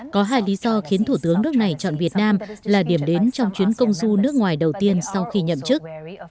có hai lý do khiến thủ tướng nước này chọn việt nam là điểm đến trong chuyến công du nước ngoài đầu tiên sau khi nhậm chức